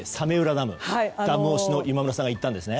ダム推しの今村さんが行ったんですね。